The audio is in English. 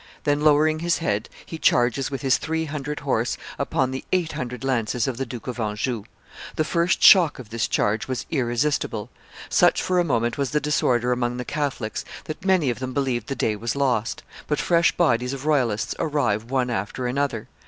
Then, lowering his head, he charges with his three hundred horse upon the eight hundred lances of the Duke of Anjou. The first shock of this charge was irresistible; such for a moment was the disorder amongst the Catholics that many of them believed the day was lost; but fresh bodies of royalists arrive one after another.